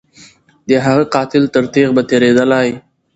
د هغه قاتل تر تیغ به تیریدلای